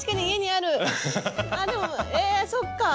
あっでもえっそっか。